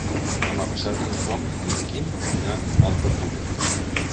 Demà passat en Tom i en Quim iran a Altafulla.